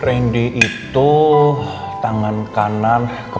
randy itu tangan kanan